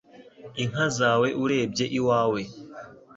inka zawe urebye iwawe